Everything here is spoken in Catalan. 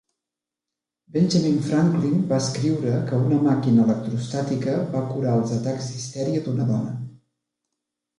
Benjamin Franklin va escriure que una màquina electroestàtica va curar els atacs d'histèria d'una dona.